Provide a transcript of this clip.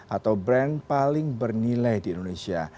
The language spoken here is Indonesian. atau brand paling bernilai di indonesia